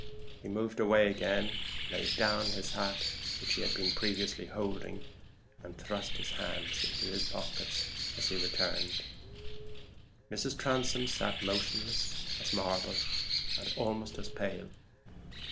He moved away again, laid down his hat, which he had been previously holding, and thrust his hands into his pockets as he returned. Mrs. Transome sat motionless as marble, and almost as pale.